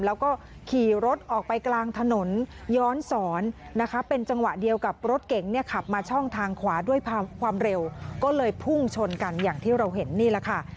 แล้วก็ขี่รถออกไปกลางถนนย้อนสอนนะคะเป็นจังหวะเดียวกับรถเก๋งเนี่ยขับมาช่องทางขวาด้วยความเร็วก็เลยพุ่งชนกันอย่างที่เราเห็นนี่แหละค่ะ